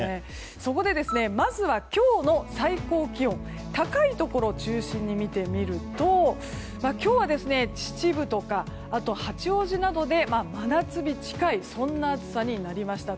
そこで、まずは今日の最高気温高いところ中心に見てみると今日は秩父とか八王子などで真夏日近い暑さになりました。